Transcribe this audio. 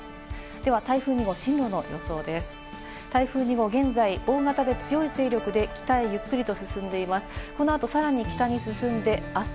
では台風２号、進路の予想です。